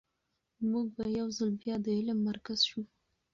موږ به یو ځل بیا د علم مرکز شو.